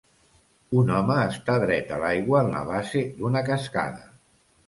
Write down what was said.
Un home està dret a l'aigua en la base d'una cascada.